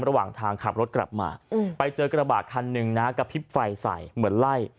ระหว่างทางขับรถกลับมาไปเจอกระบาดคันหนึ่งนะกระพริบไฟใส่เหมือนไล่